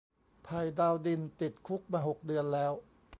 ไผ่ดาวดิน ติดคุกมาหกเดือนแล้ว